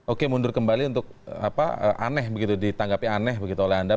oke mundur kembali untuk aneh begitu ditanggapi aneh begitu oleh anda